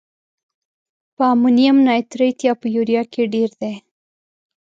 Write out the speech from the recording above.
په امونیم نایتریت یا په یوریا کې ډیر دی؟